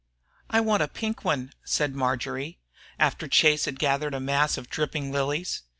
"I want a pink one," said Marjory, after Chase had gathered a mass of dripping lilies.